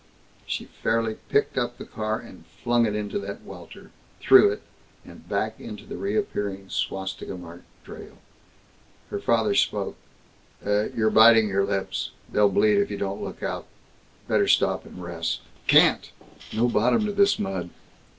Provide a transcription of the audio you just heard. She fairly picked up the car, and flung it into that welter, through it, and back into the reappearing swastika marked trail. Her father spoke: "You're biting your lips. They'll bleed, if you don't look out. Better stop and rest." "Can't! No bottom to this mud.